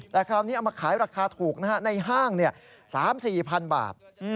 แต่คราวนี้เอามาขายราคาถูกในห้าง๓๔๐๐๐บาท